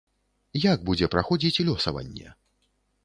Як будзе праходзіць лёсаванне?